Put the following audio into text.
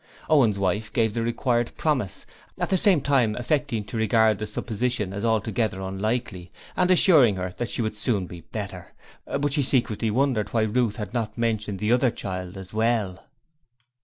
Owen's wife gave the required promise, at the same time affecting to regard the supposition as altogether unlikely, and assuring her that she would soon be better, but she secretly wondered why Ruth had not mentioned the other child as well.